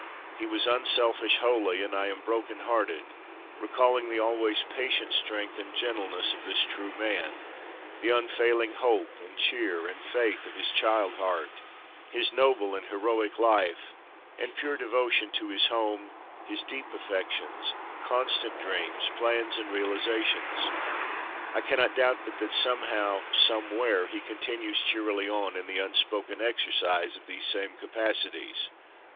He was unselfish wholly, and I am broken hearted, recalling the always patient strength and gentleness of this true man, the unfailing hope and cheer and faith of his child heart, his noble and heroic life, and pure devotion to his home, his deep affections, constant dreams, plans, and realizations. I cannot doubt but that somehow, somewhere, he continues cheerily on in the unspoken exercise of these same capacities."